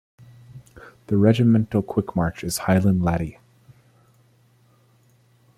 The Regimental Quick March is "Hielan' Laddie".